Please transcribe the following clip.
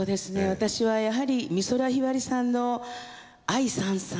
私はやはり美空ひばりさんの『愛燦燦』